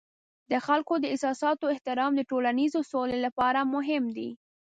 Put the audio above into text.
د خلکو د احساساتو احترام د ټولنیز سولې لپاره مهم دی.